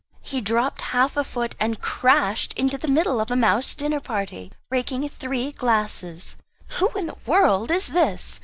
He dropped half a foot, and crashed into the middle of a mouse dinner party, breaking three glasses. "Who in the world is this?"